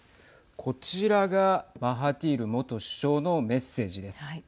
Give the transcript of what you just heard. こちらがマハティール元首相のメッセージです。